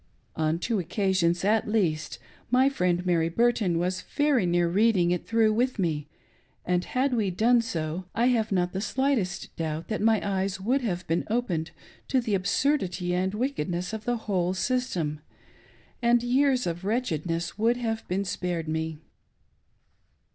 On two Occasions, at'lbast, ifty Mend' Mary Burton was very near reading it through with me, and had we done so, I have not the slightest doubt that my eyes would have been opened to the absurdity and wicked ness of the whole system, and years of wretchedness' would have been spared me.